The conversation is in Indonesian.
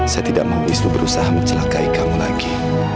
saya tidak mau wisnu berusaha mencelakai kamu lagi